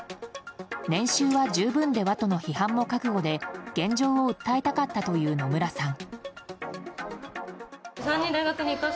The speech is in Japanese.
年収は十分ではとの批判も覚悟で現状を訴えたかったという野村さん。